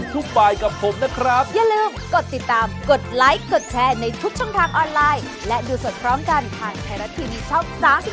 สวัสดีครับ